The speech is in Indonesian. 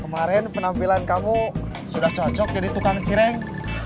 kemarin penampilan kamu sudah cocok jadi tukang cireng